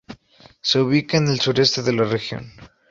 Se ubica en el sureste de la región.